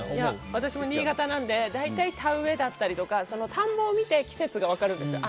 私も新潟なので大体、田植えだったりとか田んぼを見て季節が分かるんですよ。